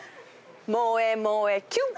萌え萌えキュン！